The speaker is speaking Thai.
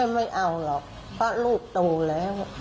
ไม่เอาหรอกเพราะลูกโตแล้ว